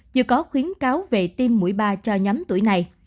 chưa có khuyến cáo về tiêm mũi ba cho nhóm tuổi này